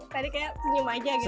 tadi kayak senyum aja gitu